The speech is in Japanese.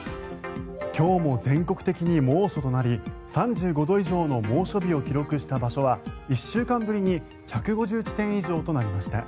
今日も全国的に猛暑となり３５度以上の猛暑日を記録した場所は１週間ぶりに１５０地点以上となりました。